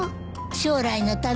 将来のために。